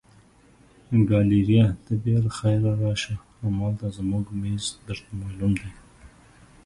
ګالیریا ته بیا له خیره راشه، همالته زموږ مېز درته معلوم دی.